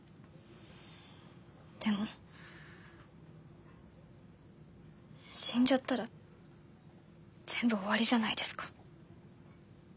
でも死んじゃったら全部終わりじゃないですか。